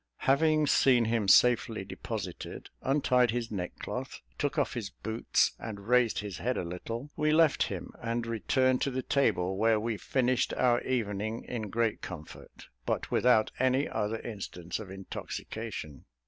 Having seen him safely deposited, untied his neckcloth, took off his boots, and raised his head a little, we left him, and returned to the table, where we finished our evening in great comfort, but without any other instance of intoxication.